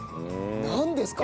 なんですか？